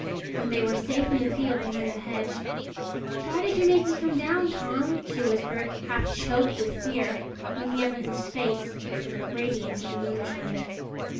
When they were safe in the field behind the hedge "Why did you make me come down, Tom?" she whispered, half choked with fear, looking up in his face, which was radiant in the moonshine.